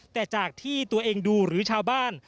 แต่จากที่ตัวเองดูหรือชาวบ้าน